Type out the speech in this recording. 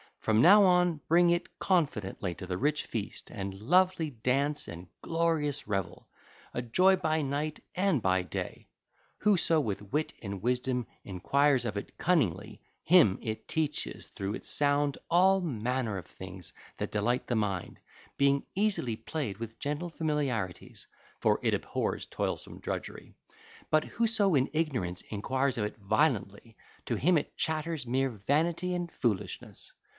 From now on bring it confidently to the rich feast and lovely dance and glorious revel, a joy by night and by day. Whoso with wit and wisdom enquires of it cunningly, him it teaches through its sound all manner of things that delight the mind, being easily played with gentle familiarities, for it abhors toilsome drudgery; but whoso in ignorance enquires of it violently, to him it chatters mere vanity and foolishness.